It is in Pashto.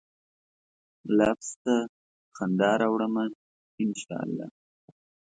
لفظ ته خندا راوړمه ، ان شا الله